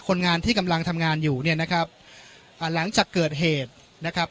คนงานที่กำลังทำงานอยู่เนี่ยนะครับอ่าหลังจากเกิดเหตุนะครับ